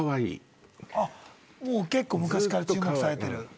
もう結構昔から注目されてる？